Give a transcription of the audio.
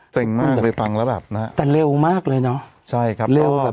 เต็มมากไปฟังแล้วแบบน่ะแต่เร็วมากเลยเนอะใช่ครับเร็วครับ